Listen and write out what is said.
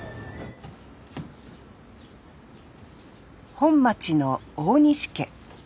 本町の大西家。